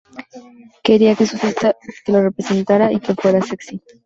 Quería una fiesta que lo representara y que fuera sexy.